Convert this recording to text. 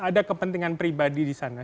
ada kepentingan pribadi di sana